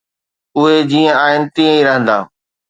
”اهي جيئن آهن تيئن ئي رهندا.